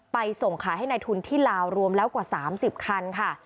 ส่งขายให้ในทุนที่ลาวรวมแล้วกว่า๓๐คันค่ะ